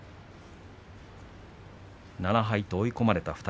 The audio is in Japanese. ７敗と追い込まれた２人。